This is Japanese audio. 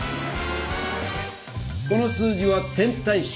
この数字は「点対称」。